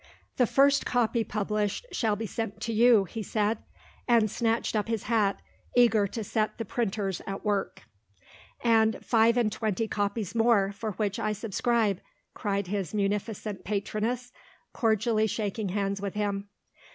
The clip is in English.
"The first copy published shall be sent to you," he said and snatched up his hat, eager to set the printers at work. "And five and twenty copies more, for which I subscribe," cried his munificent patroness, cordially shaking hands with him.